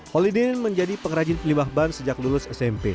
holidin menjadi pengrajin limbah ban sejak lulus smp